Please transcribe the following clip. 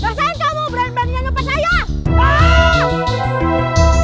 rasain kamu berani beraninya nopet saya